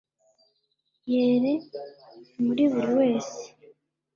yere muri buri wese